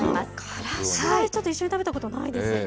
からしはちょっと一緒に食べたことないですね。